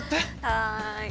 はい。